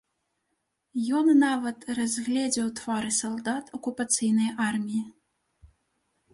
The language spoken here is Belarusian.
Ён нават разгледзеў твары салдат акупацыйнай арміі.